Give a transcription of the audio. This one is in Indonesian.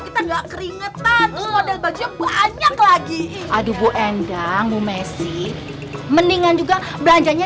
kita enggak keringetan model baju banyak lagi aduh bu endang bu messi mendingan juga belanjanya